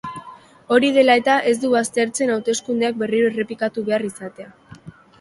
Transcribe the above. Hori dela eta, ez du baztertzen hauteskundeak berriro errepikatu behar izatea.